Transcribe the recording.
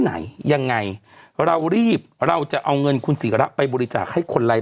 ไหนยังไงเรารีบเราจะเอาเงินคุณศิระไปบริจาคให้คนไร้